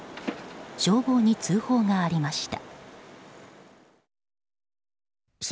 消防に通報がありました。